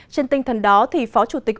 trên tinh thần đó thì phó chủ tịch